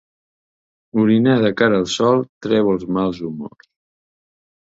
Orinar de cara al sol treu els mals humors.